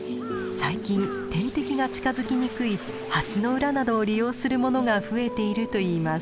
最近天敵が近づきにくい橋の裏などを利用するものが増えているといいます。